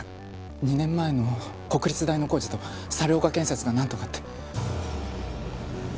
２年前の国立大の工事と猿岡建設が何とかって。